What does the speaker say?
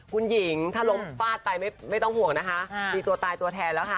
คุณหญิงถ้าล้มฟาดไปไม่ต้องห่วงนะคะมีตัวตายตัวแทนแล้วค่ะ